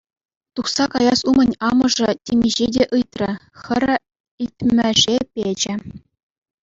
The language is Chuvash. Тухса каяс умӗн амӑшӗ темиҫе те ыйтрӗ, хӗрӗ илтмӗше печӗ.